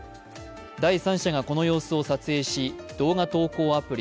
第三者がこの様子を撮影し動画投稿アプリ